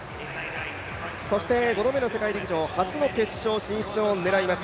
そして５度目の世界陸上、初の決勝進出を狙います。